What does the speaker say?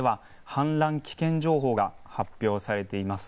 氾濫危険情報が発表されています。